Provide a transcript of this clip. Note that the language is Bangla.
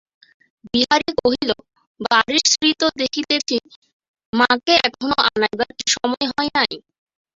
বিহারী কহিল, বাড়ির শ্রী তো দেখিতেছি–মাকে এখনো আনাইবার কি সময় হয় নাই।